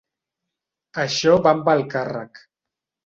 Això va amb el càrrec.